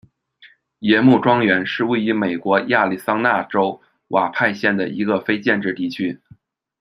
野木庄园是位于美国亚利桑那州亚瓦派县的一个非建制地区。